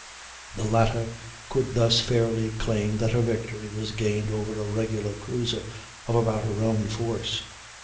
The latter could thus fairly claim that her victory was gained over a regular cruiser of about her own force.